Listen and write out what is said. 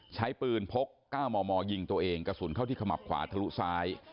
ใช้ปืนพก๙มมยิงตัวเองกระสุนเข้าที่ขมับขวาทะลุซ้าย